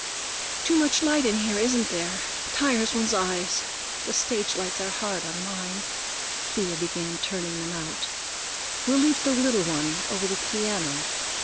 "Too much light in here, isn't there? Tires one's eyes. The stage lights are hard on mine." Thea began turning them out. "We'll leave the little one, over the piano."